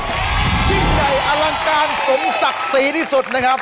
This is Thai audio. ยิ่งใหญ่อลังการสมศักดิ์ศรีที่สุดนะครับ